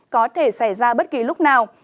có thể xảy ra bất kỳ lúc nào